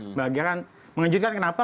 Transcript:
membahagiakan mengejutkan kenapa